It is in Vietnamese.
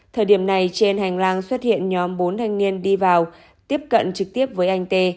thời điểm này trên hành lang xuất hiện nhóm bốn thanh niên đi vào tiếp cận trực tiếp với anh tê